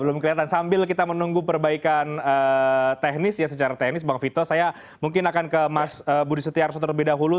belum kelihatan sambil kita menunggu perbaikan teknis ya secara teknis bang vito saya mungkin akan ke mas budi setiarso terlebih dahulu